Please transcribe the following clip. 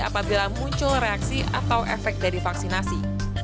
apabila muncul reaksi atau efek dari vaksinasi